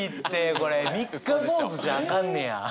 これ三日坊主じゃアカンねや？